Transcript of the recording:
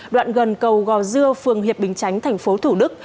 đoạn gần cầu gò dưa phường hiệp bình chánh tp thủ đức